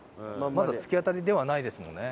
まだ突き当たりではないですもんね。